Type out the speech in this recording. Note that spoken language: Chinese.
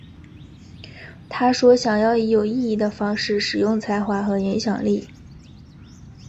她说想要以有意义的方式使用才华和影响力。